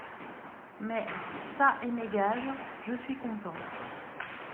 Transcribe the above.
Mais, ça et mes gages, je suis content.